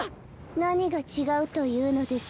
何が違うというのです？